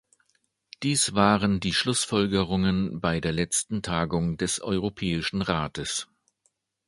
Dies waren die Schlussfolgerungen bei der letzten Tagung des Europäischen Rates.